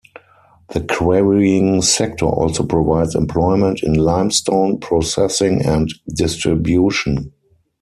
The quarrying sector also provides employment in limestone processing and distribution.